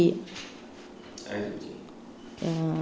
ai rủ chị